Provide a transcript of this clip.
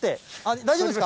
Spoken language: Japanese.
大丈夫ですか？